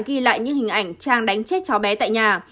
ghi lại những hình ảnh trang đánh chết chó bé tại nhà